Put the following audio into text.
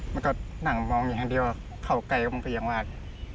ท่านก็หนังมองอย่างเดียวเข้าไกลก็มันไปยังงวาด